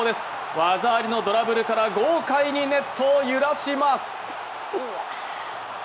技ありのドリブルから豪快にネットを揺らします。